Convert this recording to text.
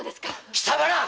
貴様ら！